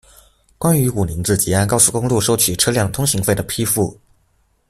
关于武宁至吉安高速公路收取车辆通行费的批复